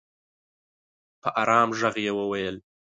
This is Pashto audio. په ارام ږغ یې وویل